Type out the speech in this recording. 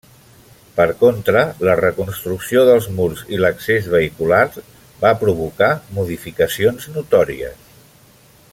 Per contra, la reconstrucció dels murs i l'accés vehicular va provocar modificacions notòries.